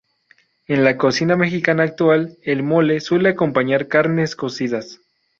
En la cocina mexicana actual, el mole suele acompañar carnes cocidas.